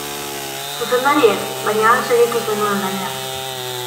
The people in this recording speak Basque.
Zuzendari ez, baina han segitu zenuen lanean.